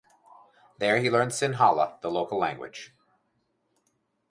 There he learned Sinhala, the local language.